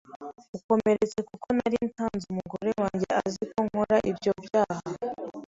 ukomeretse kuko nari nsanze umugore wanjye aziko nkora ibyo byaha,